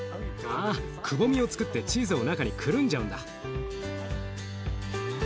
ああくぼみをつくってチーズを中にくるんじゃうんだ。